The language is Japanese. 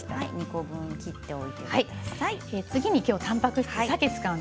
２個分切っておいてください。